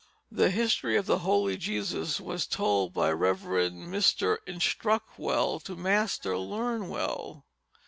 The History of the Holy Jesus was told by Rev. Mr. Instructwell to Master Learnwell.